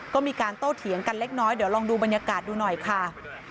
ก็มีการโต้เถียงกันเล็กน้อยเดี๋ยวลองดูบรรยากาศดูหน่อยค่ะ